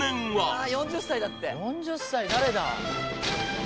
ああ４０歳だって４０歳誰だ？